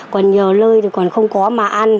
còn nhiều lơi còn không có mà ăn